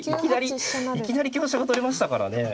いきなり香車が取れましたからね。